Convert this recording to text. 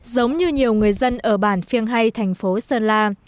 giống như nhiều người dân ở bản phiêng hay thành phố sơn la